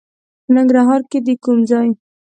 ننګرهار کې د کوم ځای؟